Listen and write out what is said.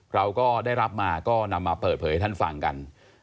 เราก็ได้รับมาก็นำมาเปิดเผยให้ท่านฟังกัน